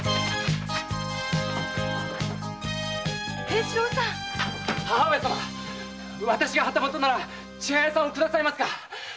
平四郎さん母わたしが旗本なら千早さんをくださいますか？